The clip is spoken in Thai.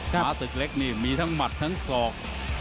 ขาศึกเล็กนี่มีทั้งหมัดทั้งศอก